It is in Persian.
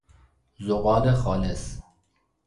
زغال خالص